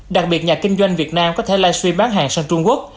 đặc biệt nhà kinh doanh việt nam có thể livestream bán hàng sang trung quốc